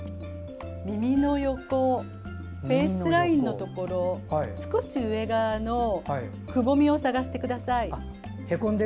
耳の横フェースラインのところの少し上側のくぼみを探してください。